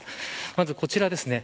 まず、こちらですね。